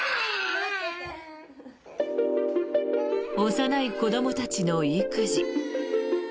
幼い子どもたちの育児。